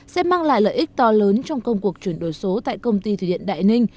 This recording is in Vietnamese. sẽ mang lại lợi ích to lớn trong công cuộc chuyển đổi số tại công ty thủy điện đại ninh